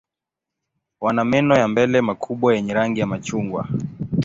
Wana meno ya mbele makubwa yenye rangi ya machungwa.